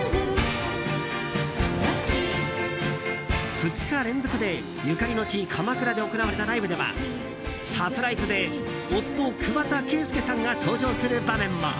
２日連続で、ゆかりの地鎌倉で行われたライブではサプライズで夫・桑田佳祐さんが登場する場面も。